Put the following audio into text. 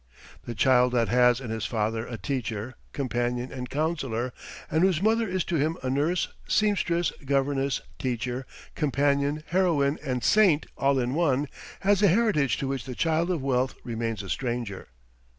The child that has in his father a teacher, companion, and counselor, and whose mother is to him a nurse, seamstress, governess, teacher, companion, heroine, and saint all in one, has a heritage to which the child of wealth remains a stranger.